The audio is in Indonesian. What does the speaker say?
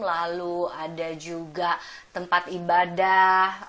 lalu ada juga tempat ibadah